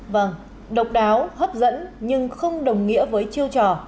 vâng độc đáo hấp dẫn nhưng không đồng nghĩa với chiêu trò